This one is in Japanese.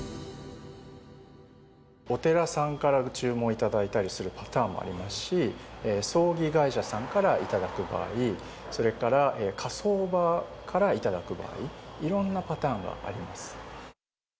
お寺さんから注文いただいたりするパターンもありますし、葬儀会社さんからいただく場合、それから火葬場からいただく場合、いろんなパターンがあります。